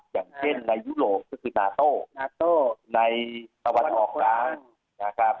อย่างเช่นในยุโรปก็คือนาโต้นาโต้ในตะวันออกกลางนะครับ